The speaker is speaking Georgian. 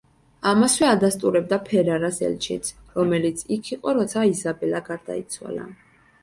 ამასვე ადასტურებდა ფერარას ელჩიც, რომელიც იქ იყო, როცა იზაბელა გარდაიცვალა.